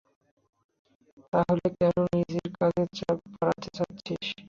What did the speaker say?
তাহলে কেন নিজের কাজের চাপ বাড়াতে চাচ্ছিস?